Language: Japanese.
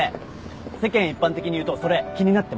世間一般的にいうとそれ気になってます。